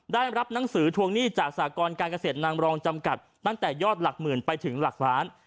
ได้รับหนังสือทวงหนี้จากสากรการเกษตรนางรองจำกัดตั้งแต่ยอดหลักหมื่นไปถึงหลักล้าน